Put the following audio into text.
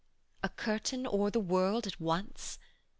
A curtain o'er the world at once!